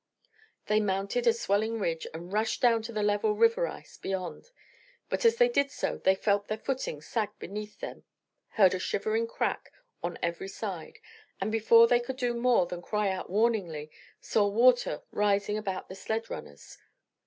They mounted a swelling ridge and rushed down to the level river ice beyond, but as they did so they felt their footing sag beneath them, heard a shivering creak on every side, and, before they could do more than cry out warningly, saw water rising about the sled runners.